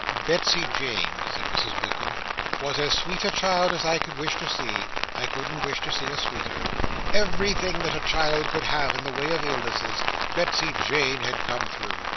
"Betsey Jane," said Mrs Wickam, "was as sweet a child as I could wish to see. I couldn't wish to see a sweeter. Everything that a child could have in the way of illnesses, Betsey Jane had come through.